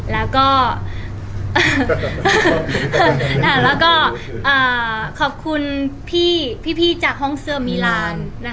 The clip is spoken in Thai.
แล้วก็แล้วก็อ่าขอบคุณพี่พี่พี่จากห้องเสื้อมีลานนะคะ